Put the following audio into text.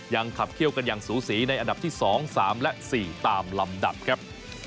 ยังขับเขี้ยวกันอย่างสูสีในอันดับที่๒๓และ๔ตามลำดับครับ